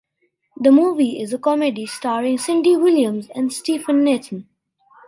The movie is a comedy starring Cindy Williams and Stephen Nathan.